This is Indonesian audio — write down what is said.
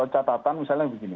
catatan misalnya begini